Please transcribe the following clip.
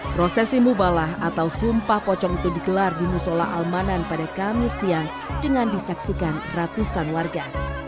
prosesi mubalah atau sumpah pocong itu digelar di musola almanan pada kamis siang dengan disaksikan ratusan warga